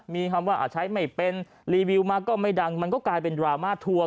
มีคำว่าใช้ไม่เป็นรีวิวมาก็ไม่ดังมันก็กลายเป็นดราม่าทัวร์